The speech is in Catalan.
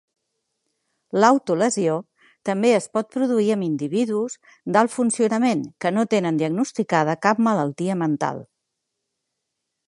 L'autolesió també es pot produir en individus d'alt funcionament que no tenen diagnosticada cap malaltia mental.